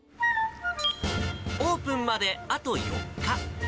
オープンまであと４日。